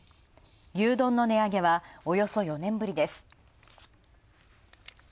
牛丼の値上げは、およそ４年ぶりです。